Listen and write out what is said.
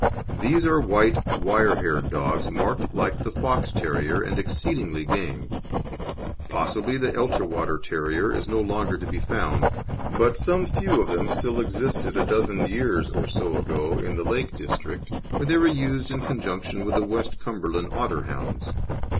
These are white wire haired dogs marked like the Fox terrier, and exceedingly game. Possibly the Elterwater Terrier is no longer to be found, but some few of them still existed a dozen years or so ago in the Lake District, where they were used in conjunction with the West Cumberland Otterhounds.